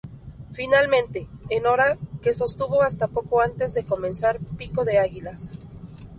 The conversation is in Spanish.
Finalmente "En hora" que sostuvo hasta poco antes de comenzar "Pico de águilas".